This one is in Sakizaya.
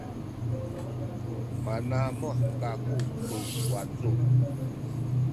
manamuh kaku tu wacu